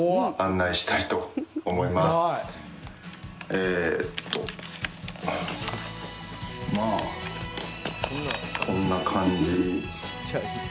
えーっとまあ、こんな感じ。